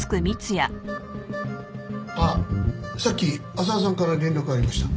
あっさっき浅輪さんから連絡がありました。